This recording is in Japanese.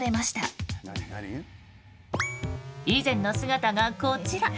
以前の姿がこちら。